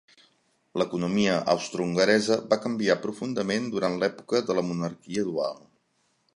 L'economia austrohongaresa va canviar profundament durant l'època de la monarquia dual.